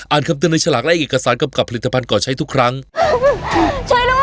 คำเตือนในฉลากและเอกสารกำกับผลิตภัณฑ์ก่อใช้ทุกครั้งใช้แล้ว